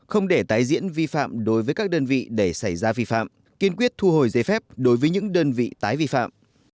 không để tái diễn vi phạm đối với các đơn vị để xảy ra vi phạm kiên quyết thu hồi giấy phép đối với những đơn vị tái vi phạm